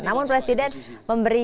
namun presiden memberikan